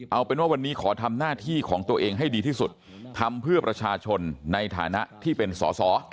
เอาเป็นว่าวันนี้ขอทำหน้าที่ของตัวเองให้ดีที่สุดทำเพื่อประชาชนในฐานะที่เป็นสอสอ